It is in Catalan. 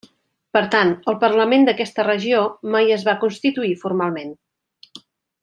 Per tant, el parlament d'aquesta regió mai es va constituir formalment.